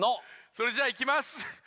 それじゃいきます！